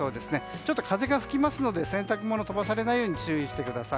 ちょっと風が吹きそうですので洗濯物が飛ばされないよう注意してください。